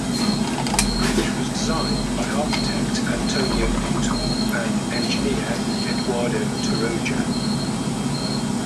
The bridge was designed by architect Antonio Pintor and engineer Eduardo Torroja.